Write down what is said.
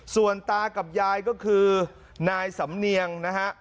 ส่วนตากับยายก็คือนายสำเนียงนะฮะ